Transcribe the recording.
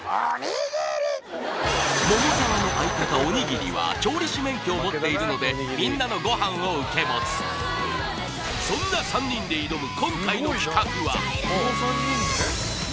桃沢の相方・おにぎりは調理師免許を持っているのでみんなのご飯を受け持つそんな３人で挑む